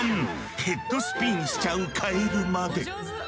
ヘッドスピンしちゃうカエルまで。